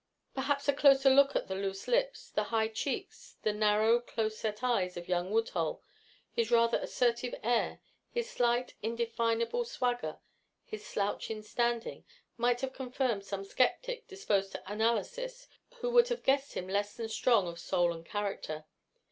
Perhaps a closer look at the loose lips, the high cheeks, the narrow, close set eyes of young Woodhull, his rather assertive air, his slight, indefinable swagger, his slouch in standing, might have confirmed some skeptic disposed to analysis who would have guessed him less than strong of soul and character.